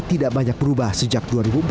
tidak banyak berubah sejak dua ribu empat belas